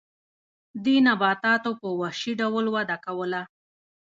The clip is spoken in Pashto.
دې نباتاتو په وحشي ډول وده کوله.